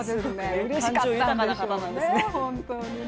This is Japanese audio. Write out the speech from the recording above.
感情豊かな方なんですね。